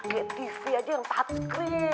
kayak tv aja yang patrick